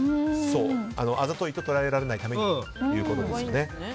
あざといと捉えられないためにということです。